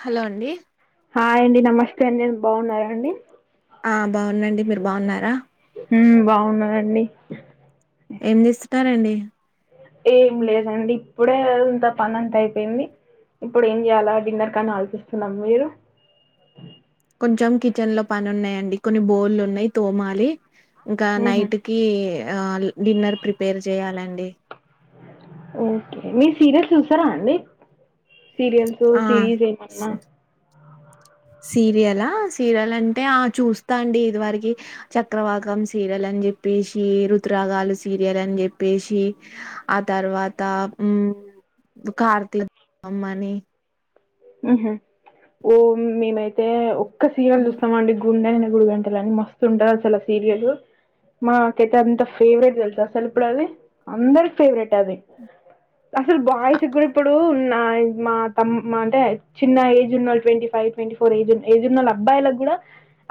Hello అండి హా అండి నమస్తే అ నేను బాగున్నా అండి ఆ బాగుందండి మీరు బాగున్నారా బాగున్నాయంండి ఎనిస్ చెస్తారంండి ఏం లేదండి ఇప్పుడే ఇంత పని అంతా అయిపోయింది ఇప్పుడు ఏం చేయాలా డిన్నర్ కాని ఆలోచిస్తున్నాం మీరు [unintelligible] కిచెన్ లో పని ఉన్నాయండి కొన్ని బోల్లు ఉన్నాయి. తోమాలి ఇంకా ఉహు నైట్ కి ఏ ఆల్ డిన్నర్ ప్రిపేర్ చేయాలండి. ఓకే మీరు సీరియస్ చూస్తారా అండి. సీరియల్స్, ఆ సిరీస్ స్ ఏమన్నా సీరియలా, సీరియల్ అంటే ఆ చూస్తా అండి. ఇది వరకి చక్రవాకం సీరియల్ అని చెప్పేసి, రుత్ రాగాలు సీరియల్ అని చెప్పేసి, ఆ తర్వాత హ్మ్ ముకార్తీలం అమ్ అని హుహ్మ్ ఓ మేమైతే [unintelligible] సీరియల్ చూస్తామండి. గుండె నిండా గుడి గంటలుని మస్తు ఉంటది. అసలు సీరియస్ మాకైతే అంత ఫేవరెట్ తెలుస అసలు ఇప్పుడు అది అందరి ఫేవరెట్ అది అసలు బాయ్స్ కూడా ఇప్పుడు ఉన్నయ్ మా తమ్ మా న్ [unintelligible] చిన్న ఏజ్ ఉన్నోళ్ twenty five, twenty four age age ఉన్నోళ్ళు అబ్బాయిలకు కూడా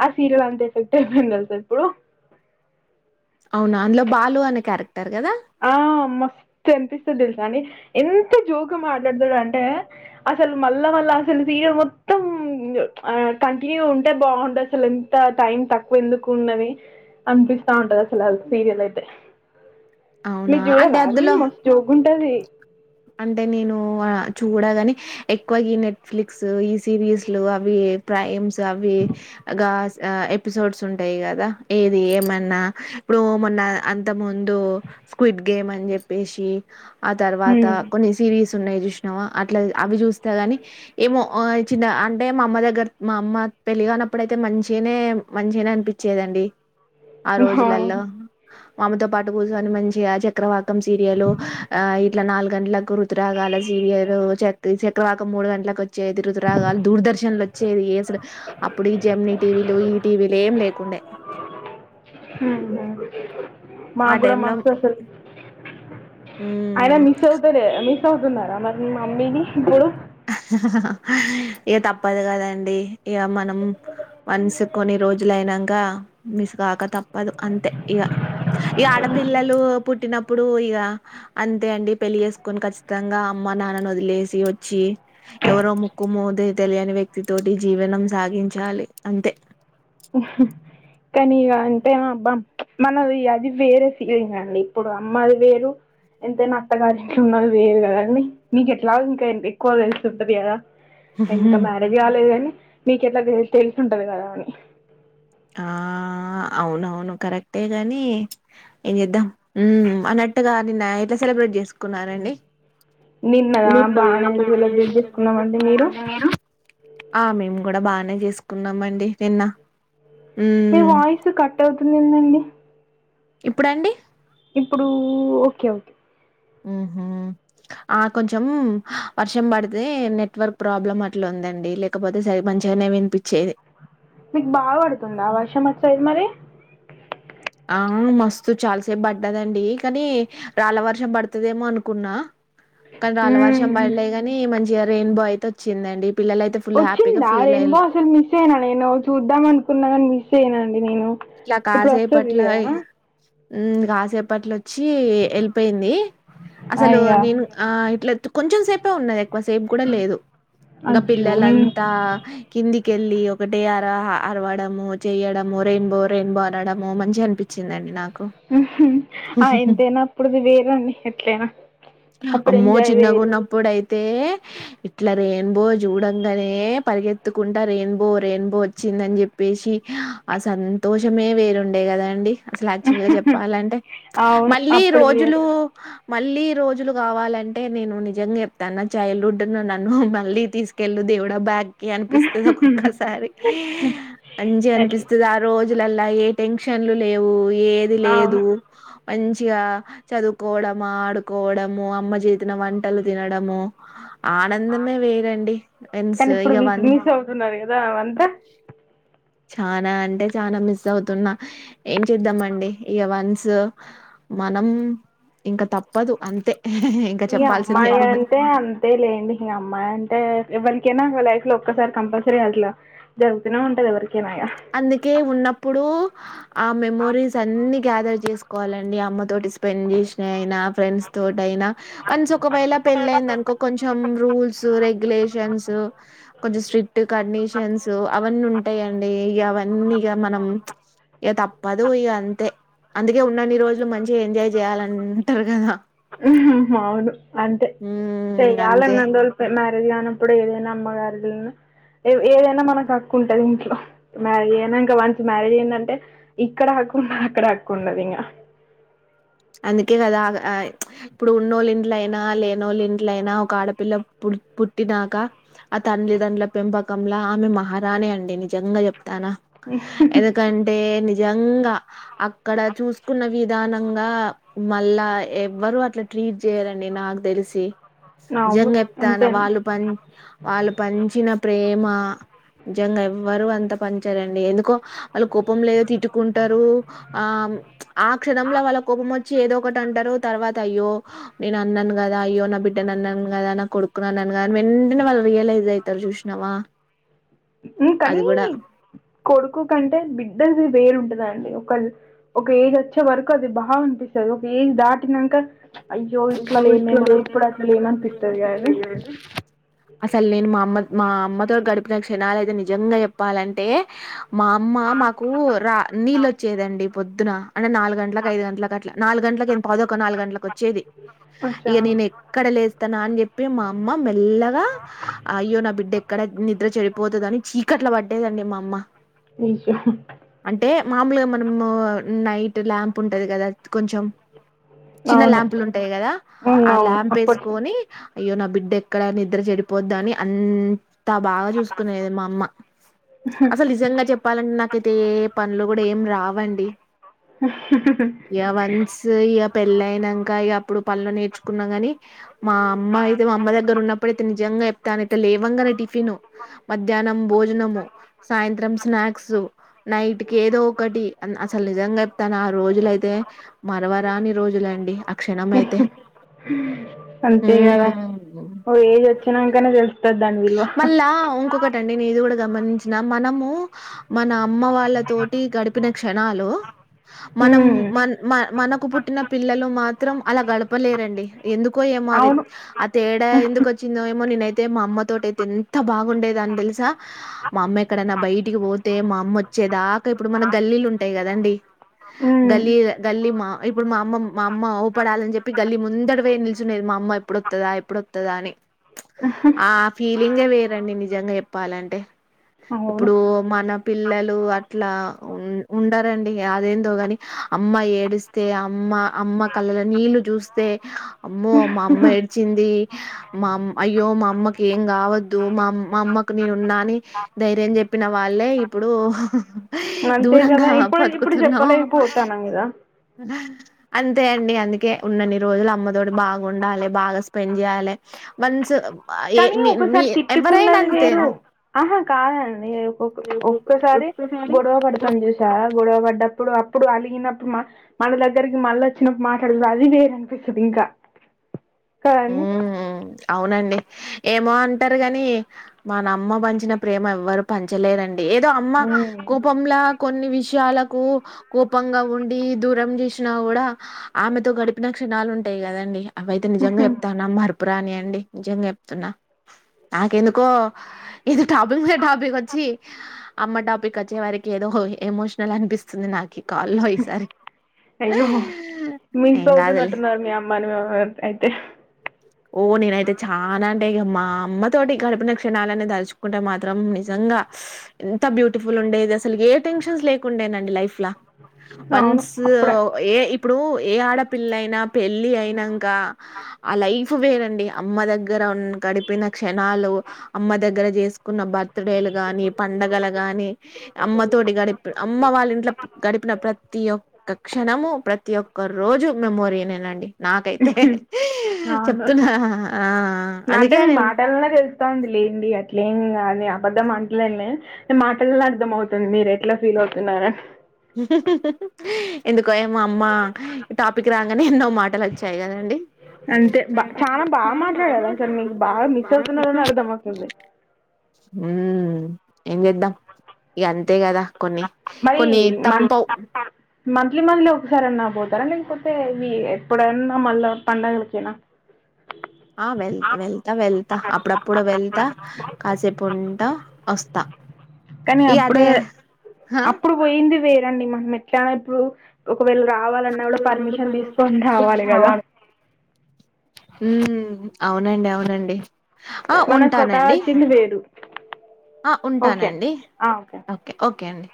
ఆ సీరియల్, అంతా ఎఫెక్ట్ అయిపోయింది. అసల్ కు అవునా అందులో బాలు అనే క్యారెక్టర్ కదా ఆ మస్తు అనిపిస్తుంది. తెలుసాండి. ఎంతో జోక్ గా మాట్లాడతాడంటే, అసలు మళ్ళా మళ్ళా అసలు సీరియల్ మొత్తం గ్ ప్చ్ కంటిన్యూ ఉంటే బాగుంటది. అసలు ఎంత టైం తక్కువ ఎందుకు ఉన్నది. అనిపిస్తాంటది. అసలు అ సీరియల్లో అయితే అవునా మీర్ అంటే జూడరా అది అందులో మస్ట్ ఉంటది. అంటే నేను ఆ చూడగాని, ఎక్కువ ఈ నెట్ఫ్లిక్స్ ఈ సీరిస్ లు అవి ప్రైమ్స్ తూ అవ్వి ఆ గాస్ ఆ ఎపిసోడ్స్ ఉంటాయి. కదా ఏది ఏమన్నా ఇప్పుడు, మొన్న అంతకు ముందు స్కూయిబ్ గేమ్ అని చెప్పేసి, ఆ తర్ తాక్ హ్మ్ కొన్ని సీరియస్ ఉన్నాయి. చూసినావా అట్లాగ్ అవి చూస్తా గాని ఏమో ఆ చిన్న అంటే, మా అమ్మ దగ్గర మా అమ్మ పెళ్ళి గాన్నప్పుడయితే మంచిగానే, మంచిగానే అనిపించేదండి. ఆ రోజులల్లో మామెతో పాటు కూర్చొని మంచిగా, ఆ చక్రవాకం సీరియల్ ఆ ఇట్లా నాల్గ్ గండ్లకు రుతురాగాల సీరియర్ చక్ చక్రవాకం మూడు గంట్లకు వచ్ చ్చేది. రుతురాగాలు, దూర్ దర్శన్లు వచ్చేది. ఏసుడే అప్పుడే ఈ జమ్నీ టీవీలు, ఈటీవీలు ఏం లేకుండే ఆ మాగ్ కూడా టైమ్ లో మస్త్ వస్తరు. ఆయన మ్మ్ మిస్ అవుతలే మిస్ మిస్ అవుతున్నారా, మరి మీ మమ్మీ ని ఇప్పుడు ఇక తప్పదు కదండి. ఇక మనం వన్స్ కొన్ని రోజులు అయినంక మిస్ కాక తప్పదు. అంతే ఇగా ఇ ఆడపిల్లలు పుట్టినప్పుడు, ఇగ అంతే అండి పెళ్ళి చేసుకొని ఖసితంగా అమ్మ నాన్నని వదిలేసి వచ్చి ఎవరో ముక్కుమోదే తెలియని, వ్యక్తితోటి జీవనం సాగించాలి అంతే హుహ్మ్ కానీ ఇక అంటే అబ్బాం ప్చ్ మనది అది వేరే ఫీలింగ్ అండి. ఇప్పుడు అమ్మది వేరు ఎంతైనా అత్తగారింట్లో ఉన్నది. వేరు కదండి నీకు ఎట్లావుంటే ఎక్కువగా తెలుసుంటది. కదా ఇంకా మ్యారేజ్ కాలేద్. అని మీకెట్లా తెల్స్ తేలుసుంటది. కదా అని ఆ అవునవును కరెక్టేగా అనీ ప్చ్ ఏం చేద్దాం. హ్మ్మ్ అన్నట్టుగా నిన్నా నైట్రే సెలబ్రేట్ చేసుకున్నారండి. నిన్న దా బానేది. [unintelligible] చేసుకున్నామండి. మీరు ఆ మేము కూడా బానే చేసుకున్నామండి. నిన్న మీ ఉమ్ వాయిస్ కట్ అవుతుంది. ఏందండి. ఇప్పుడండి. ఇప్పుడు ఓకే, ఓకే ఉహ్మ్ ఆ కొంచెం హ వర్షం పడితే నెట్వర్క్ ప్రాబ్లం అట్లా ఉందండి. లేకపోతే సరి మంచిగానే విన్పిచ్చేది. మీకు బాగా పడుతుందా వర్షం వచ్చది మరి ఆ మస్తు చాలాసేపు పడ్డదండి కానీ రాళ్ళ వర్షం పడుతుదేమో అనుకున్నా కానీ రాళ్ాల వర్షం ఊహు బయలేగాని మంచి రెయిన్బో అయితే వచ్చిందండి పిల్లలయితే ఫుల్ హ్యాపీగా వచ్చిందా ఫీల్ రెయిన్ బో అయిళ్ళు అసలు మిస్ అయినా నేను చూద్దాం అనుకున్నా కాని మిస్ యనండి నేను ఇట్లా ఇప్పుడు కాజ వస్తది పట్ల హై కదా కాసేపట్లో వచ్చి వచ్చి హల్ప్ అయింది ఆ అసలు ఇగా నేను ఇట్లా కొంచెం సేపే ఉన్నా సేపు కూడా లేదు ఇంకా అయ్యో నేను పిల్లలంతా కింది కెళ్ళి ఒకటే అర అరవడము చెయడము రెయిన్బో ట్రైన్ బో ఆడము మంచి అనిపించిందండి నాకు ఆ ఎంతైనా అప్పుడుది వేరండి ఎట్లయినా అప్పుడు అమ్మో ఎంజాయ్ వేయరు చిన్నగున్నప్పుడైతే ఇట్లా రెయిన్బో చూడంగానే పరిగెత్తుకుంటా రెయిన్బో రెయిన్బో వచ్చిందని చెప్పేసి ఆ సంత దోషమే వేరుండే కదా అండి అసలు యాక్చువల్ గా చెప్పాలంటే అవును మళ్ళీ అప్పుడుది రోజులు వేరు మళ్ళీ రోజులు కావాలంటే నేను నిజంగా చెప్తాను చైల్డ్హుడ్ ను నన్ను మళ్ళీ తీసుకెళ్ళ దేవుడ బ్యాగ్ అనిపిస్తుంది ఒక్కొక్కసారి అంజ అట్లా అనిపిస్తుంది ఆ రోజులలా ఏ టెన్షన్లు లేవు ఏది అవును లేదు మంచిగా చదువుకోవడము ఆడుకోవడము అమ్మ చేతిన వంటలు తినడము ఆనందమే వేరండి మన్స్ కానీ ఇప్పుడు ఇక మిస్ వన్ మిస్ అవుతున్నారు కదా అవంతా చానా అంటే చాలా మిస్ అవుతున్నా ఏం చేద్దాంమండి ఇక వన్స్ మనం ఇంకా తప్పదు అంతే ఇంకా మీ చెప్పాల్సింది అమ్మాయి ఏమున్నది అంటే అంతే లేండి మీ అమ్మాయి అంటే ఎవరికి నా లైఫ్ లో ఒక్కసారి కంపల్సరీ అట్లా జరుగుతూనే ఉంటది ఎవరికి అందుకే ఉన్నప్పుడు ఆ మెమోరీస్ అన్నిీ గ్యాదర్ చేసుకోవాలండి అమ్మ తోటి స్పెండ్ చేసిన అయినా ఫ్రెండ్స్ తోట అయినా వన్స్ ఒకవేళ పెళ్ళయిందినుకో కొంచెం కొంచెం రూల్స్ రెగ్యులేషన్స్ కొంచెం స్ట్రిక్ట్ కండిషన్స్ అవన్నీ ఉంటాయిండి ంటే ఇక అవన్నీ ఇక మనం ఇక తప్పదు ఇక అంతే అందుకే ఉన్నన్ని రోజులు మంచి ఎంజాయ్ చేయాలంటారు కదా వును అంతే ఉమ్ అంతే చెయ్యాలన్న రోజు మ్యారేజ్గా కానప్పుడు ఏదైనా అమ్మగారు ఏదైనా మనకు హక్కు ఉంటది ఇంట్లో మ్యారేజ్ అయినా ఇంకా వన్స్ మ్యారేజ్ అయిందంటే ఇక్కడ హక్కు ఉండదు అక్కడ హక్కు ఉండది ఇంకా అందుకే కదా ఇప్పుడు ఉన్నోళ్ళ ఇంట్లయినా లేన వాళ్ళ ఇంట్లైనా ఒక ఆడపిల్ల పు పుట్టినాక ఆ తండలిదండుల పెంపకంలా ఆమె మహారానే అండి నిజంగా చెప్ తనా ఎదకంటే ని జంగా అక్కడ చూసుకున్నవి విధానంగా మళ్ళా ఎవ్వరు అట్లా ట్రీట్ చేయాలండి నాకు తెలిసి అవును జంెప్తాను అంతేనా వాళ్ళు ప వాళ్ళు పంచిన ప్రేమ జంగా ఎవ్వరు అంతా పనించారండి ఎందుకో వాళ్ళు కోపం లేదో తిట్టుకుంటారు ఆ ఆ క్షణంలో వాళ్ళ కోపం వచ్చి ఏదో ఒకటి అంటారు తర్వాత అయ్యో నేను అన్నాను కదా అయ్యో నా బిడ్ ంట అన్న కదాన్న కొడుకున్నన్నన్నగాద వెంటనే వాళ్ళు రియలైజ్ అవుతారు చూసినావా హ్మ్ అది కానీ కూడా కొడుకు కంటే బిడ్డది వేరుంటదండి ఒక ఒక ఏజ్ వచ్చే వరకు అది బాగా అపిస్తుంది ఒక ఏజ్ దాటినాక అయ్యో ఇట్లా లేమే మనం ఇప్పుడు లేమనిపిత్తది కదండి అసలు నేను మా మా అమ్మ అమ్మతోగడి విక్షణాలు అదతే నిజంగా చెప్పాలంటే మా అమ్మ మాకు రా నీళ్ళొచ్చేదండి పొద్దున అంటే నాలుగుంటలకు ఐదు గంటలకు అట్లా నాలు గంటలలకు ఎ పదక ఒక నాలుగు గంటలకు వచ్చేది అచ్చా ఇక నేను ఎక్కడ లేస్తానా అని చెప్పి మా అమ్మ మెల్లగా అయ్యో నా బిడ్డ ఎక్కడ నిద్ర చెడిపోతుంద అని చీకట్ వాడేదండడి మ అమ్మ నిష అంటే మామూలుగా మనము నైట్ ల్యాంప్ ఉంటుంది కదా కొంచెం చిన్న అవును ల్యాంపులు ఉంట ంటాయి కదా ఆ అవును అవును ల్యాంప్ అప్పట్లో వేసుకొని అయ్యో నా బిడ్డ ఎక్కడ నిద్ర చెడిపోద్ద అని అంత త బాగా చూసుకునేది మా అమ్మ అసలు నిజంగా చెప్పాలంటే నాకైతే ఏ పనులు కూడా ఏం రా అవండి యా వన్స్ యా పెళ్లయినాకా యా ఇప్పుడు పనులు నేర్చుకున్నాం కాని మా అమ్మ అయితే మా అమ్మ దగ్గర ఉన్నప్పుడుైతే నిజంగా చెప్తానయితే లేవంగానే టిఫిను మధ్యాహ్నం భోజనము సాయంత్రం స్నాక్స్ నైట్ కి ఏదో ఒకటి అసలు నిజంగా కానీ ఆ రోజులయితే మరవరాని రోజులండి అక్ష అంతే కద హ్మ్ ఓ ఏజ్ వచ్చినాకనే తెలుస్తది దాని విలువ ఇంకొకటిండి నే ఇది కూడా గమనించిన మనము మన అమ్మ వాళ్ళ తోటి గడిపిన క్షణాలు మనం హ్మ్ మన మ మనకు పుట్టిన పిల్లలు మాత్ర మాత్రం అలా గడపలేరండి ఎందుకో ఏమోవి అవును ఆ తేడా ఎందుకు వచ్చిందో ఏమో నేనైతే అతే మా అమ్మ తోట అయితే ఎంత బాగుండే దాన్ని తెలుసా మా అమ్మ ఎక్కడన్నా బయటికి పోతే మా అమ్మ వచ్చేదాకా ఇప్పుడు మన గల్లీలు ఉంటాయి కదండి హ్మ్. గల్లీ గల్లీ మా ఇప్పుడు మా అమ్మ మా అమ్మ పడాలని చెప్పి గల్లీ ముందడు పోే నిల్చునేది మా అమ్మ ఎప్పుడుొస్తుందా ఎప్పుడుొస్తుదా అని ఆ ఫీలింగే వేరండి నిజంగా చెప్పాలంటే అవును ఇప్పుడు మన పిల్లలు అట్లా ఉండరండి అదేందో కాని అమ్మ ఏడిస్తే అమ్మ అమ్మ కళ్ళలో నీళ్లు చూస్తే అమ్మో మా అమ్మ ఏడిచింది మామ్ అయ్యో మా అమ్మకి ఏం కావద్దు మా మా అమ్మకు నేనున్నాని ధైర్యం చెప్పిన వాళ్ళే ఇప్పుడు అంతే కదా దూరంగా ఇప్పుడు ఇప్పుడు బతుకుతున్నాం చెప్పలేకపోతాను కదా అ ే అండి అందుకే ఉన్నన్ని రోజులు అమ్మ తోడు బాగుండాలి బాగా స్పెండ్ చేయాలి వన్స్ కానీ మీ ఒకసారి ఎవరైనా తిట్టుకున్నది అంతే వేరు ఆహా కాదండి ఒ ఒక్కసారి గొడవ పడతాం చూసా గొడవ పడ్డ ఇప్పుడు అప్పుడు అలిగినప్పుడు మన దగ్గరికి మళ్ళ వచ్చినప్పుడు మాట్లాడదు అది వేరు అనిపిస్తుంది ఇంకా కదండి మ్మ్ హ్మ్ అవునండి ఎప్ ఏమో అంటారు కాని మన అమ్మ పంచిన ప్రేమ ఎవ్వరు పంచలేరండి ఏదో అమ్మ కోపంలా కొన్ని విషయాలకు కోపంగా ఉండి దూరం చేసినా కూడా ఆమెతో గడిపిన క్షణాలు ఉంటాయి కదండి అవైతే నిజంగా చెప్ మరపురాని అండి నిజంగా చెప్తున్నా నాకెందుకో ఇది టాపిక్ లో టాపిక్ వచ్చి అమ్మ టాపిక్ వచ్చే వారికి ఏదో ఎమోషనల్ అనిపిస్తు అయ్యో మిస్ ఏం గాదులే. అవుతున్నట్టున్నారు మీ అమ్మని మ అయితే ఓ నేనైతే చాలా అంటే ఇక మా అమ్మ తోటి గడపిన క్షణాలన్న తరుచుకుంటే మాత్రం నిజంగా ఎంత బ్యూటిఫుల్ ఉండేది అసలు ఏ టెన్షన్స్ లేకుండడానండి లైఫ్ ల అవును వన్స్ అప్పుడే ఏ ఇప్పుడు ఏ ఆడపి పిల్లయినా పెళ్ళి అయినా కా ఆ లైఫ్ క్కు వేరండి అమ్మ దగ్గర గడిపిన క్షణాలు అమ్మ దగ్గర చేసుకు కున్న బర్త్డే లుగాని పండగల గాని అమ్మ తోటి గడిప అమ్మ వాళ్ళ ఇంట్లో గడిపిన ప్రతి ఒక్క క్షణము ప్రతి ఒక్క రోజు మెమోరీనేనండి నాకైతే అవునా చెప్తున్నా ఆ అంటే అందుకే మీ నేను మాటలనే తెలుత్తాంది లేండి అట్లేంగాదు. నేను అబద్దం అంటలెనులే మీ మాటల్లో అర్థం అవుతుంది మీరు ఎట్లా ఫీల్ అవుతున్నారని. ఎందు కు ఏమో అమ్మ టాపిక్ రాగానే ఎన్నో మాటలు వచ్చాయి కదండి. అంతే బా చాలా బాగా మాట్లాడారు అసలు మీకు బాగా మిస్ అవుతున్నారని అర్థమవుతుంది ఉ ఏం చేద్దాం ఇగ అంతే కదా. కొన్ని కొన్ని మ తప్పవ్ [inaudible] మంత్లీ మంత్లీ ఒకసారి అన్నా పోతారా లేకపోతే ఇ ఎప్పుడైనా మళ్ళా పండగలకెనా. ఆ వెళ్త వెళ్తా వెళ్తా అప్పుడప్పుడు వెళ్తా కాసేపు ఉంట వస్తా కానీ ఈ అదే అప్పుడే హా అప్పుడు పోయి ది వేరండి మనం ఎట్లా ఇప్పుడు ఒకవేళ రావాలన్నా కూడా పర్మిషన్ తీసుకొని రావాలి కదా. ఉ అవునండి, అవునండి. ఆ మనం స్వతహా ఉంటానండి, వచ్చింది వేరు ఆ ఓకే ఉంటానండి ఓకే ఓకే అండి.